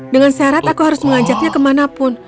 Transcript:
dengan syarat aku harus mengajaknya kemanapun